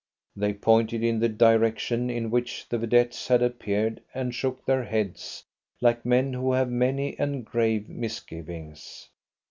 They pointed in the direction in which the vedettes had appeared, and shook their heads like men who have many and grave misgivings.